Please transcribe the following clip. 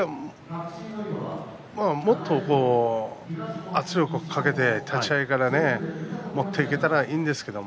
もっと圧力をかけて立ち合いからね持っていけたらいいんですけど。